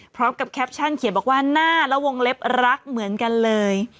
แคปชั่นเขียนบอกว่าหน้าและวงเล็บรักเหมือนกันเลย